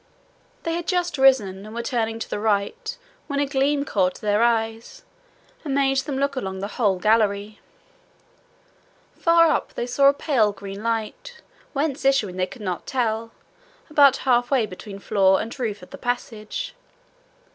They had just risen and were turning to the right, when a gleam caught their eyes, and made them look along the whole gallery. Far up they saw a pale green light, whence issuing they could not tell, about halfway between floor and roof of the passage.